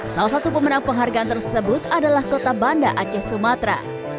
salah satu pemenang penghargaan tersebut adalah kota banda aceh sumatera